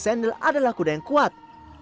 dan membuat kuda yang kuat